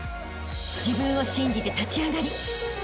［自分を信じて立ち上がりあしたへ